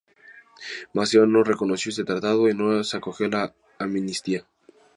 Maceo no reconoció este tratado y no se acogió a la amnistía.